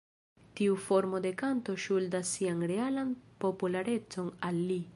Tiu formo de kanto ŝuldas sian realan popularecon al li.